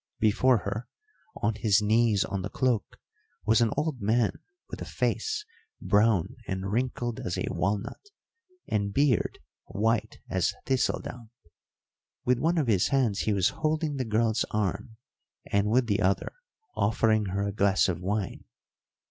Before her, on his knees on the cloak, was an old man with a face brown and wrinkled as a walnut, and beard white as thistle down. With one of his hands he was holding the girl's arm, and with the other offering her a glass of wine.